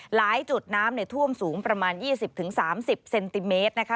หลายจุดน้ำท่วมสูงประมาณ๒๐๓๐เซนติเมตรนะคะ